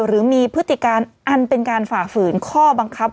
หรือมีพฤติการอันเป็นการฝ่าฝืนข้อบังคับ